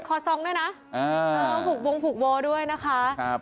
ขอซ้องด้วยนะพูดวงพูดโบด้วยนะคะ